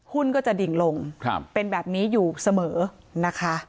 หุ้นก็จะดิ่งลงเป็นแบบนี้อยู่เสมอนะคะ